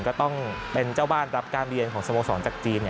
ก็ต้องเป็นเจ้าบ้านรับการเรียนของสโมสรจากจีน